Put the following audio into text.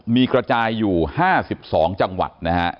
มีกระจายอยู่๕๒จังหวัดนะฮะ